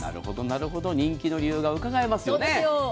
なるほど人気の理由がうかがえますよね。